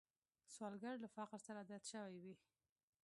سوالګر له فقر سره عادت شوی وي